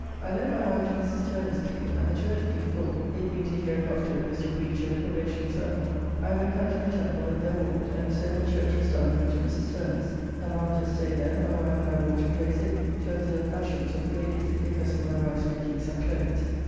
I led my wife to Mrs. Turner's pew, and the church being full, it being to hear a Doctor who is to preach a probacon sermon, I went out to the Temple and there walked, and so when church was done went to Mrs. Turner's, and after a stay there, my wife and I walked to Grays Inn, to observe fashions of the ladies, because of my wife's making some clothes.